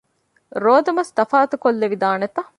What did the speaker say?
ރޯދަމަސް ތަފާތުކޮށްލެވިދާނެތަ؟